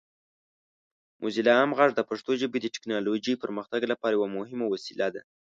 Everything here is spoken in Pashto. موزیلا عام غږ د پښتو ژبې د ټیکنالوجۍ پرمختګ لپاره یو مهم وسیله ده.